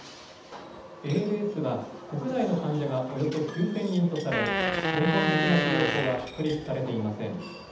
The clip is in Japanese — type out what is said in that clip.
ＡＬＳは国内の患者がおよそ９０００人とされ、根本的な治療法は確立されていません。